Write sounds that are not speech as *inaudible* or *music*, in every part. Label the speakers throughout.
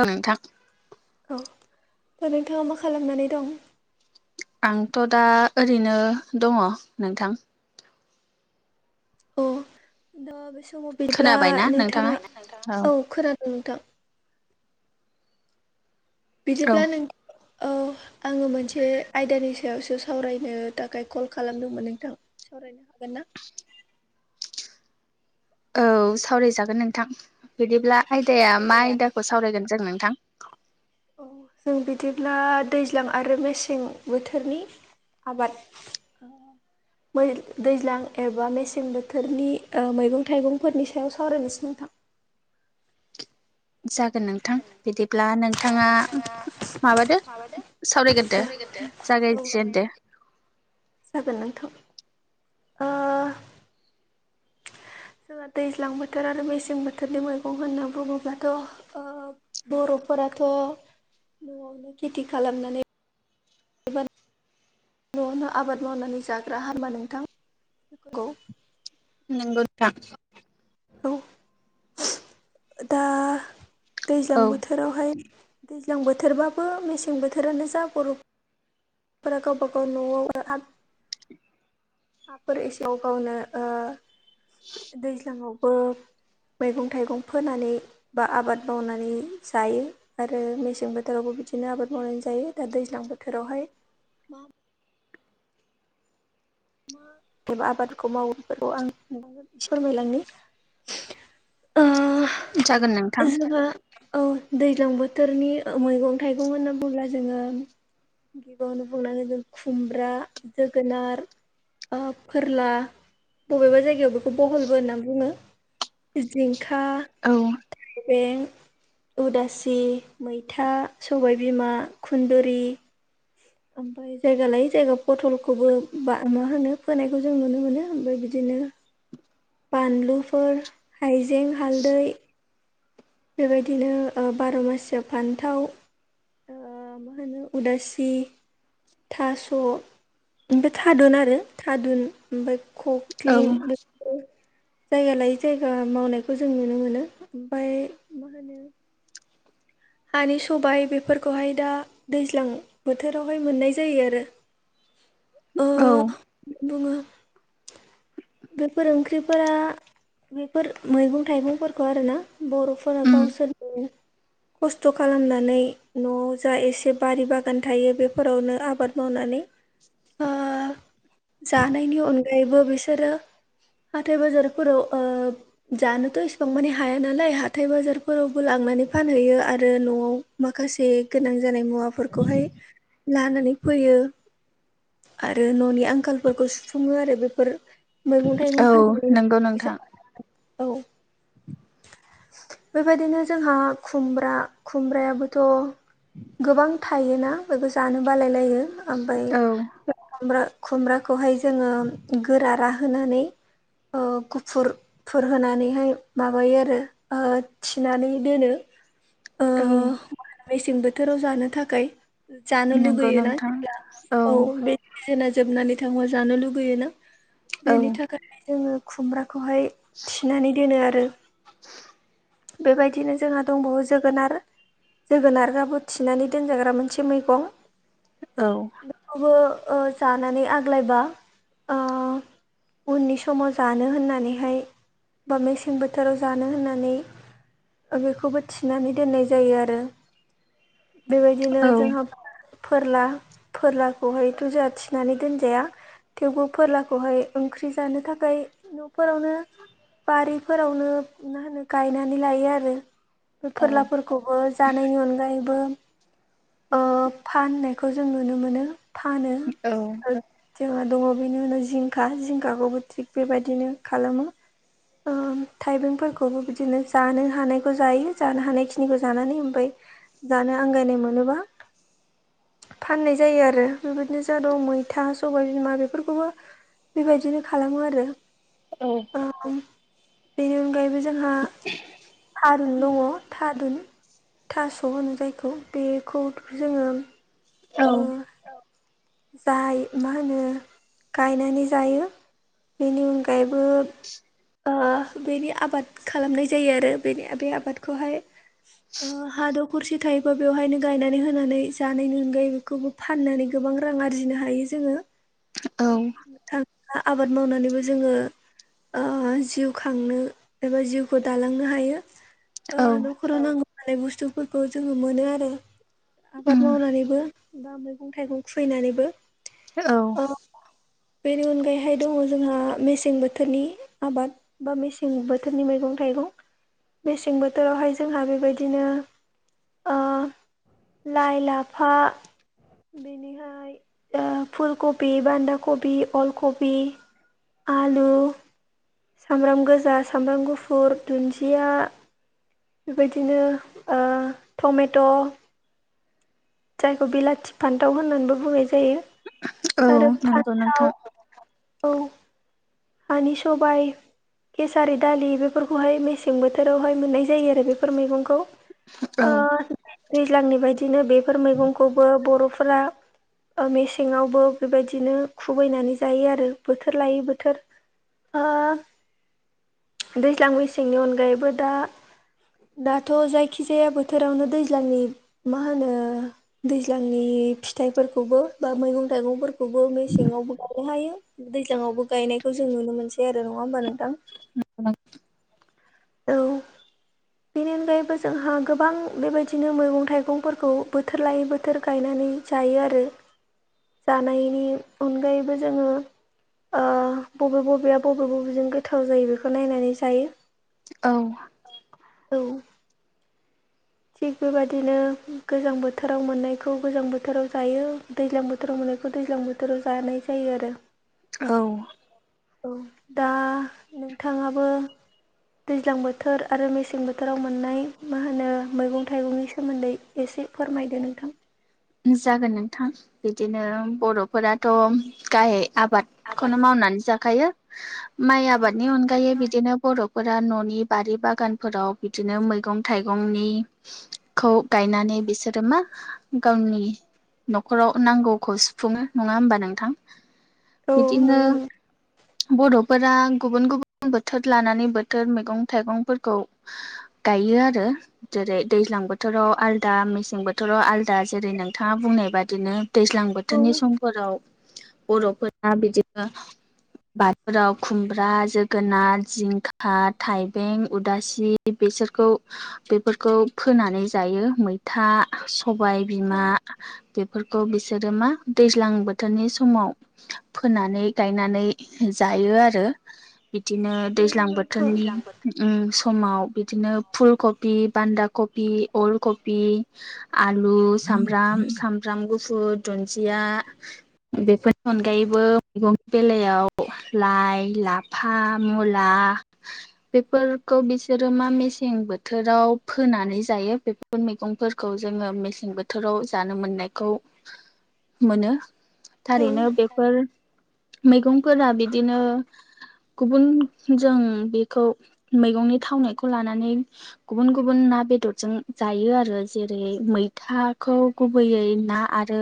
Speaker 1: ओं नोंथां
Speaker 2: औ दा नोंथाङा मा खालामनानै दं
Speaker 1: आंथ' दा ओरैनो दङ नोंथां
Speaker 2: अ दा बे समाव बिदिब्ला नोंथाङा औ खोनादों नोंथां बिदिब्ला नों
Speaker 1: *inaudible*
Speaker 2: औ आङो मोनसे आयदानि सायावसो सावरायनो थाखाय कल खालामदोंमोन नोंथां सावरायनो हागोन ना
Speaker 1: औ सावरायजागोन नोंथां बिदिब्ला आयदाया मा आयदाखौ सावरायगोन जों नोंथां
Speaker 2: औ जों बिदिब्ला दैज्लां आरो मेसें बोथोरनि आबाद
Speaker 1: *inaudible*
Speaker 2: दैज्लां एबा मेसें बोथोरनि मैगं थाइगंफोरनि सायाव सावरायनोसै नोंथां
Speaker 1: जागोन नोंथां बिदिब्ला नोंथाङा माबादो सावरायग्रोदो
Speaker 2: औ
Speaker 1: जागायजेनदो
Speaker 2: जागोन नोंथां ओ जोंहा दैज्लां बोथोर आरो मेसें बोथोरनि मैगं होनना बुङोब्लाथ' बर'फोराथ' न'आवनो खेथि खालामनानै एबा न'आवनो आबाद मावनानै जाग्रा होमबा नोंथां नंगौ
Speaker 1: नंगौ नोंथां
Speaker 2: औ दा दैज्लां
Speaker 1: औ
Speaker 2: बोथोरावहाय दैज्लां बोथोरबाबो मेसें बोथोरानो जा गरम फोरा गावबा गाव न'आवनो हाफोर एसेयाव गाव गावनो दैज्लाङावबो मैगं थाइगं फोनानै बा आबाद मावनानै जायो आरो मेसें बोथोरावबो बिदिनो आबाद मावनाय जायो दा दैज्लां बोथोरावहाय मा एबा आबादखौ मावो बेफोरखौ आं नोंनो इसे फोरमायलांनि ओ
Speaker 1: जागोन नोंथां
Speaker 2: जोङो औ दैज्लां बोथोरनि मैगं थाइगं होनना बुङोब्ला जोङो गिबियावनो बुंनांगोन जों खुमब्रा जोगोनार फोरला बबेबा जायगायाव बेखौ बहलबो होनना बुङो जिंखा
Speaker 1: औ
Speaker 2: बे उदासि मैथा सबायबिमा खुन्दुरि ओमफ्राय जायगा लायै जायगा पटलखौबो बा मा होनो फोनायखौ जों नुनो मोनो ओमफ्राय बिदिनो बानलुफोर हाइजें हालदै बेबायदिनो बार' मासियाव फान्थाव मा होनो उदासि थास' ओमफ्राय थादुन आरो थादुन ओमफ्राय कक
Speaker 1: औ
Speaker 2: क्लिं बे जायगा लायै जायगा मावनायखौ जों नुनो मोनो ओमफ्राय मा होनो हानि सबाय बेफोरखौहाय दा दैज्लां बोथोरावहाय मोननाय जायो आरो
Speaker 1: *inaudible*
Speaker 2: ओ
Speaker 1: औ
Speaker 2: बुङो बेफोर ओंख्रिफोरा बेफोर मैगं थाइगंफोरखौ आरोना बर'फोरा
Speaker 1: उम
Speaker 2: गावसोरनो खस्थ' खालामनानै न'आव जा एसे बारि बागान थायो बेफोरावनो आबाद मावनानै ओ जानायनि अनगायैबो बिसोरो हाथाय बाजारफोराव जानोथ' इसिबां माने हाया नालाय हाथाय बाजारफोरावबो लांनानै फानहैयो आरो न'आव माखासे गोनां जानाय मुवाफोरखौहाय लानानै फैयो आरो न'नि आंखालफोरखौ सुफुङो आरो बेफोर मैगं
Speaker 1: औ
Speaker 2: थाइगं फाननानै
Speaker 1: नंगौ
Speaker 2: फैसा
Speaker 1: नोंथां
Speaker 2: *unintelligible* औ बेबायदिनो जोंहा खुमब्रा खुमब्रायाबोथ' गोबां थायोना बेखौ जानो बालाय लायो ओमफ्राय
Speaker 1: औ
Speaker 2: खुमब्रा खुमब्राखौहाय जोङो गोरा रां होनानै गुफुरफोर होनानैहाय माबायो आरो थिनानै दोनो ओ
Speaker 1: औ
Speaker 2: मेसें बोथोराव जानो थाखाय जानो
Speaker 1: नंगौ
Speaker 2: लुगैयोना
Speaker 1: नोंथां
Speaker 2: अब्ला औ जोना जोबनानै थांबा जानो लुुबैय ना
Speaker 1: औ
Speaker 2: बेनि थाखाय जोङो खुमब्राखौहाय थिनानै दोनो आरो बेबायदिनो जोंहा दंबावो जोगोनार जोगोनाराबो थिनानै दोनजाग्रा मोनसे मैगं
Speaker 1: औ
Speaker 2: बेखौबो जानानै आग्लायबा ओ उननि समाव जानो होननानैहाय बा मेसें बोथोराव जानो होननानै बेखौबो थिनानै दोननाय जायो आरो बेबायदिनो जोंहा फोरला फोरलाखौहाय' जोंहा थिनानै दोनजाया थेवबो फोरलाखौहाय ओंख्रि जानो थाखाय न'फोरावनो बारिफोरावनो मा होनो गायनानै लायो आरो बे
Speaker 1: औ
Speaker 2: फोरलाफोरखौबो जानायनि अनगायैबो ओ फाननायखौ जों नुनो मोनो फानो
Speaker 1: औ
Speaker 2: जोंहा दङ बेनि उनाव जिंखा जिंखाखौबो थिग बेबायदिनो खालामो ओ थाइबेंफोरखौबो बिदि बिदिनो जानो हानायखौ जायो जानो हानायखिनिखौ जानानै ओमफ्राय जानो आंगायनाय मोनोबा फाननाय जायो आरो बेबायदिनो जा दं मैथा सबायबिमा बेफोरखौबो बेबायदिनो खालामो आरो
Speaker 1: औ
Speaker 2: बेनि अनगायैबो जोंहा
Speaker 1: *inaudible*
Speaker 2: थारुन दङ थारुन थास' होनो जायखौ बेखौ जोङो
Speaker 1: औ
Speaker 2: ओ जाय मा होनो गायनानै जायो बेनि अनगा बे ओमफ्रायबो *unintelligible* बेनि आबाद खालामनाय जायो आरो बेनि बे आबादखौहाय हा दखरसे थायोबा बेवहायनो गायनानै होनानै जानायनो ओं बेखौबो फाननानै गोबां रां आरजिनो हायो जोङो
Speaker 1: औ
Speaker 2: आबाद मावनानैबो जोङो जिउ खांनो एबा जिउखौ दालांनो हायो
Speaker 1: औ
Speaker 2: न'खराव नांगौ जानाय बुस्थुफोरखौ जोङो मोनो आरो आबाद
Speaker 1: उम
Speaker 2: मावनानैबो बा मैगं थाइगं खुबैनानैबो *unintelligible*
Speaker 1: औ
Speaker 2: बेनि अनगायैहाय दङ जोंहा मेसें बोथोरनि आबाद बा मेसें बोथोरनि मैगं थाइगं मेसें बोथोरावहाय जोंहा बेबायदिनो ओ लाइ लाफा बिनिहाय दा फुलकबि बान्दा कबि अलकबि आलु सामब्राम गोजा सामब्राम गुफुर दुन्दिया बेबायदिनो ओ टमेट' जायखौ बिलाथि फान्थाव होननानैबो बुंनाय जायो।
Speaker 1: औ
Speaker 2: आरो
Speaker 1: नंगौ
Speaker 2: फान्थाव
Speaker 1: नोंथां।
Speaker 2: औ हानि सबाइ केसारि दालि बेफोरखौहाय मेसें बोथोरावहाय मोननाय जायो आरो बेफोर मैगंखौ।
Speaker 1: औ
Speaker 2: ओ दैज्लांनि बायदिनो बेफोर मैगंखौबो बर'फोरा ओ मेसेंवबो बेबायदिनो खुबैनानै जायो आरो बोथोर लायै बोथोर ओ दैज्लां मेसेंनि अनगायैबो दा दाथ' जायखिजाया बोथोरावनो दैज्लांनि मा होनो दैज्लांनि फिथाइफोरखौबो बा मैगं थाइगंफोरखौबो मेसेङावबो गायनो हायो। दैजाङावबो गायनायखौ जों नुनो मोनसै आरो नङा ओमबा नोंथां?
Speaker 1: *unintelligible*
Speaker 2: औ बेनि अनगायैबो जोंहा गोबां बेबायदिनो मैगं थाइगंफोरखौ बोथोर लायै बोथोर गायनानै जायो आरो जानायनि अनगायैबो जोङो ओ बबे बबेया बबे बबेजों गोथाव जायो बेखौ नायनानै जायो।
Speaker 1: औ
Speaker 2: औ थिग बेबायदिनो गोजां बोथोराव मोननायखौ गोजां बोथोराव जायो। दैज्लां बोथोराव मोननायखौ दैज्लां बोथोराव जानाय जायो आरो।
Speaker 1: औ
Speaker 2: औ दा नोंथाङाबो दैज्लां बोथोर आरो मेसें बोथोराव मोननाय मा होनो मैगं थाइगंनि सोमोन्दै एसे फोरमायदो नोंथां
Speaker 1: जागोन नोंथां बिदिनो बर'फोराथ' गाय आबाद खौनो मावनानै जाखायो माइ आबादनि अनगायै बिदिनो बर' फोरा न'नि बारि बागानफोराव बिदिनो मैगं थाइगंनि खौ गायनानै बिसोरो मा गावनि नखराव नांगौखौ सुफुङो नङा होमबा नोंथां?
Speaker 2: औ
Speaker 1: बिदिनो
Speaker 2: नंगौ नों
Speaker 1: बर'फोरा गुबुन गुबुन बोथोर लानानै बोथोर मैगं थाइगंफोरखौ गायो आरो। जेरै दैज्लां बोथोराव आलदा मेसें बोथोराव आलदा जेरै नोंथाङा बुंनाय बादिनो दैज्लां
Speaker 2: औ
Speaker 1: बोथोरनि समफोराव बर'फोरा बिदिनो बाथुराव, खुमब्रा, जोगोनार, जिंखा, थाइबें, उदासि बेसोरखौ बेफोरखौ फोनानै जायो मैथा हाजि सबाइ बिमा बेफोरखौ बिसोरो मा दैज्लां बोथोरनि समाव फोनानै गायनानै जायो आरो बिदिनो
Speaker 2: नंगौ
Speaker 1: दैज्लां
Speaker 2: नोंथां औ
Speaker 1: बोथोरनि उम समाव बिदिनो फुलकबि, बान्दाकबि, अलकबि आलु सामब्राम सामब्राम गुफुर दुन्दिया बेफोर अनगायैबो मैगंनि बेलायाव लाइ, लाफा, मुला बेफोरखौ बिसोरो मा मेसें बो बोथोराव फोनानै जायो बेफोर मैगंफोरखौ जोङो मेसें बोथोर बोथोराव जानो मोननायखौ मोनो
Speaker 2: औ
Speaker 1: थारैनो बेफोर मैगंफोरा बिदिनो गुबुन जों बेखौ मैगंनि थावनायखौ लानानै गुबुन गुबुन ना बेदरजों जायो आरो जेरै मैथाखौ गुबैयै ना आरो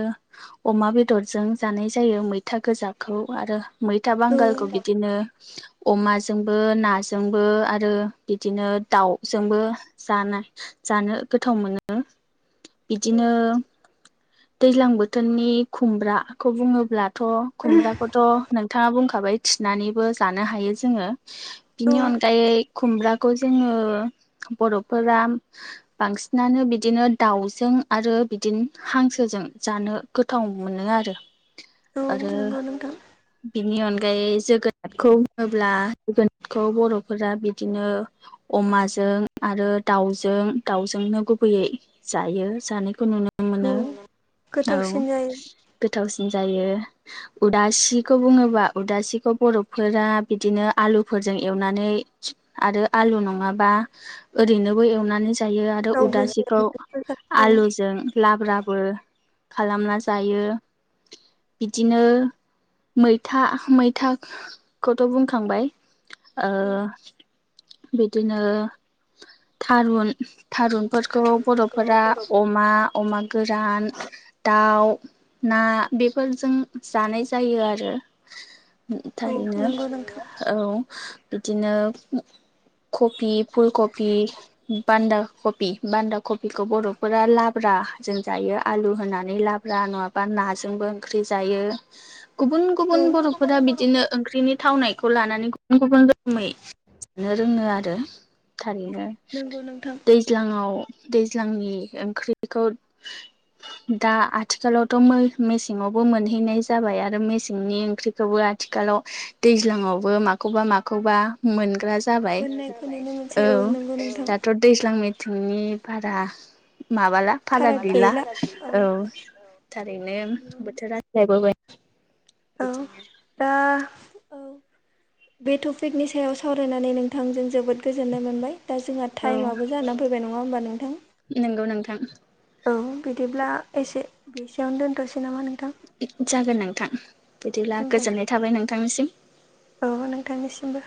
Speaker 1: अमा बेदरजों जानाय जायो मैथा गोजाखौ आरो मैथा बांगालखौ बिदिनो अमाजोंबो नाजोंबो आरो बिदिनो दाउजोंबो जानाय जानो गोथाव मोनो बिदिनो दैज्लां बोथोरनि खुमब्राखौ बुङोब्लाथ' खुमब्राखौथ' नोंथाङा बुंखाबाय थिनानैबो जानो हायो जोङो बिनि अनगायै खुमब्राखौ जोङो बर'फोरा बांसिनानो बिदिनो दाउजों आरो बिदिनो हांसो जों जानो गोथाव मोनो आरो
Speaker 2: औ
Speaker 1: आरो
Speaker 2: नंगौ नोंथां
Speaker 1: बिनि अनगायै जोगोनारखौ बुङोब्ला जोगोनारखौ बर'फोरा बिदिनो अमाजों आरो दाउजों दाउजोंनो गुबैयै जायो जानायखौ नुनो
Speaker 2: औ
Speaker 1: मोनो औ
Speaker 2: गोथावसिन जायो
Speaker 1: गोथावसिन जायो उदासिखौ बुङोबा उदासिखौ बर'फोरा बिदिनो आलुफोरजों एवनानै आरो आलु नङाबा ओरैनोबो एवनानै जायो आरो आरो
Speaker 2: गाव गोजा
Speaker 1: उदासिखौ
Speaker 2: औ औ
Speaker 1: आलुजों लाब्राबो खालामना जायो बिदिनो मैथा मैथाखौथ' बुंखांबाय ओ बिदिनो थारुन थारुनफोरखौ बर'फोरा अमा अमा गोरान दाउ ना बेफोरजों जानाय जायो आरो
Speaker 2: औ
Speaker 1: थारैनो
Speaker 2: नंगौ नोंथां
Speaker 1: औ बिदिनो कफि फुलकपि बानदाखपि बानदा कबिखौ बर'फोरा लाब्रा जों जायो आलु होनानै लाब्रा नङाबा नाजोंबो ओंख्रि जायो गुबुन गुबुन
Speaker 2: औ गुबुन
Speaker 1: बर'फोरा
Speaker 2: बर'फोर
Speaker 1: बिदिनो ओंख्रिनि थावनाय खौ लानानै गुबुन गुबुन रोखोमै लानो रोङो आरो थारैनो
Speaker 2: नंगौ नोंथां
Speaker 1: दैज्लाङाव दैज्लांनि ओंख्रिखौ दा आथिखालावथ' मेसेङावबो मोनहैनाय जाबाय आरो मेसेंनि ओंख्रि बेखौबो आथिखालाव दैज्लाङावबो माखौबा माखौबा मोनग्रा जाबाय
Speaker 2: मोननायखौ नुनो मोनसै
Speaker 1: औ
Speaker 2: नंगौ नोंथां
Speaker 1: दाथ' दैज्लां मिथिंनि बारा माबाला
Speaker 2: फाराग गैला
Speaker 1: औ थारैनो बोथोरा सोलायबोबाय
Speaker 2: औ
Speaker 1: बिदिनो
Speaker 2: दा औ बे टपिकनि सायाव सावरायनानै नोंथांजों जोबोद गोजोननाय मोनबाय दा जोंहा
Speaker 1: औ
Speaker 2: टाइमाबो जानानै फैबाय नङा होमबा नोंथां
Speaker 1: नंगौ नोंथां
Speaker 2: औ बिदिब्ला एसे बेसेयावनो दोनथ'सै नामा नोंथां
Speaker 1: जागोन नोंथां बिदिब्ला
Speaker 2: दे
Speaker 1: गोजोननाय थाबाय नोंथांनिसिम
Speaker 2: औ नोंथांनिसिमबो